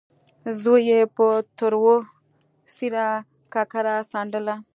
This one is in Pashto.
زوی يې په تروه څېره ککره څنډله.